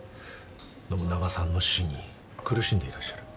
信長さんの死に苦しんでいらっしゃる。